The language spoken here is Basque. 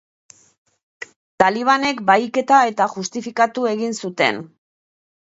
Talibanek bahiketa eta justifikatu egin zuten.